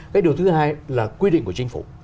cái điều thứ hai là quy định của chính phủ